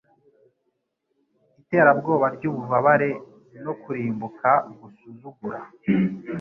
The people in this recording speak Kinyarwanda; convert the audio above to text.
Iterabwoba ry'ububabare no kurimbuka gusuzugura,